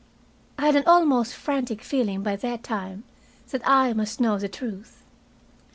I had an almost frantic feeling by that time that I must know the truth.